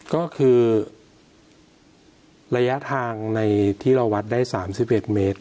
ก็คือระยะทางในที่เราวัดได้๓๑เมตร